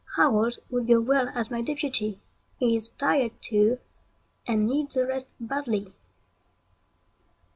Howells would go well as my deputy. He is tired too, and needs a rest badly.